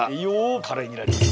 カレーになります。